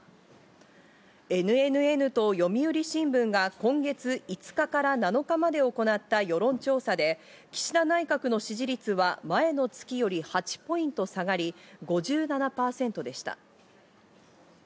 ＮＮＮと読売新聞が今月５日から７日まで行った世論調査で、岸田内閣の支持率は前の月より８ポイント下がり、５７％でした。